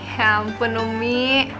ya ampun umi